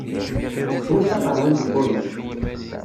Teswiḍ taqeṛɛunt n waman.